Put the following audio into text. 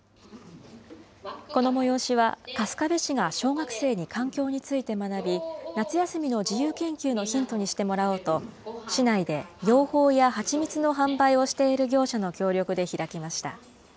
この催しは、春日部市が小学生に環境について学び、夏休みの自由研究のヒントにしてもらおうと、市内で養蜂や蜂蜜の販売をしている業者の協力で開きました。